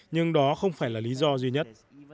nhưng đó không phải là lý do duy nhất